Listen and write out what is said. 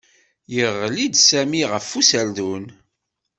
Yeɣli-d Sami ɣef userdun.